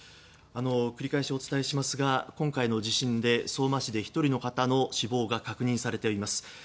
繰り返しお伝えしますが今回の地震で相馬市で１人の方が死亡が確認されています。